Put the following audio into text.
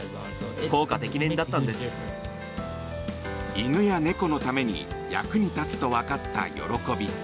犬や猫のために役に立つと分かった喜び。